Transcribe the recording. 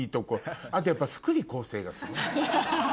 あとやっぱ福利厚生がすごい。